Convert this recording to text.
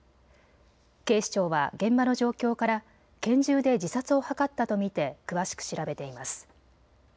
警視庁は現場の状況から拳銃で自殺を図ったと見て詳しく調べています。